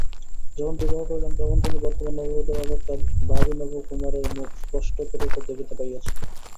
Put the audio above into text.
যখন বিবাহ করিলেন তখন তিনি বর্তমান নববধূর অপেক্ষা ভাবী নবকুমারের মুখ স্পষ্টতররূপে দেখিতে পাইয়াছিলেন।